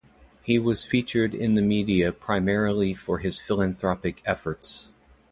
He was featured in the media primarily for his philanthropic efforts.